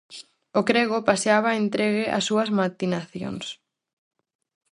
O crego paseaba entregue ás súas matinacións.